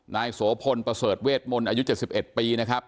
นายโสพลประเสริฐเวทมนต์อายุ๗๑ปีนะครับ